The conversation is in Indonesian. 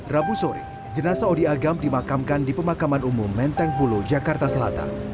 rabu sore jenazah odi agam dimakamkan di pemakaman umum menteng pulo jakarta selatan